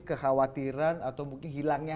kekhawatiran atau mungkin hilangnya